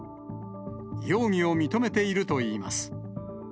容疑を認めているといいます。